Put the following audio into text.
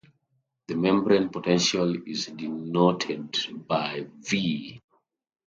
The membrane potential is denoted by "V".